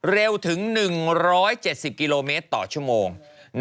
เร็วถึง๑๗๐กิโลเมตรต่อชั่วโมง